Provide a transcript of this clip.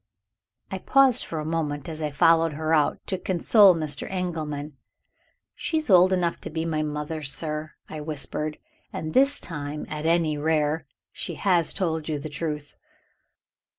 I paused for a moment, as I followed her out, to console Mr. Engelman. "She is old enough to be my mother, sir," I whispered; "and this time, at any rare, she has told you the truth."